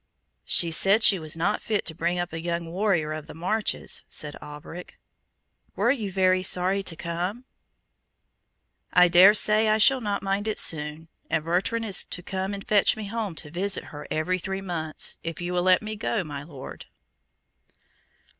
"She said she was not fit to bring up a young warrior of the marches," said Alberic. "Were you very sorry to come?" "I dare say I shall not mind it soon; and Bertrand is to come and fetch me home to visit her every three months, if you will let me go, my Lord."